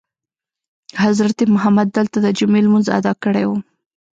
حضرت محمد دلته دجمعې لمونځ ادا کړی وو.